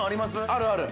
◆あるある！